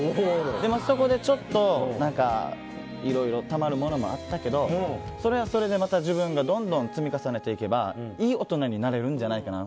そこでちょっといろいろたまるものもあったけどそれはそれでまた自分がどんどん積み重ねていけばいい大人になれるんじゃないかな。